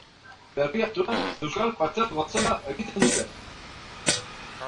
Berriatuan euskal pastel gozoa egiten dute.